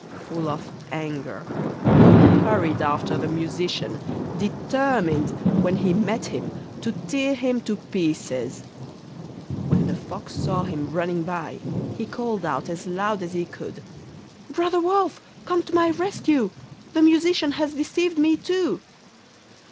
Full of anger, he hurried after the Musician, determined when he met him to tear him to pieces. When the Fox saw him running by, he called out as loud as he could: 'Brother Wolf, come to my rescue, the Musician has deceived me too.